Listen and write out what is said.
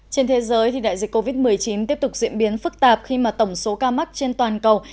trên thế giới thì đại dịch covid một mươi chín tiếp tục diễn biến phức tạp khi mà tổng số ca mắc trên toàn cầu